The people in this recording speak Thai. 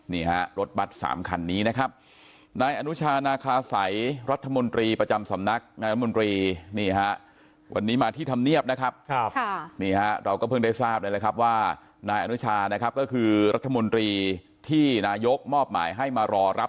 นี่ฮะรดบัตรสามคันนี้นะครับนายอนุชา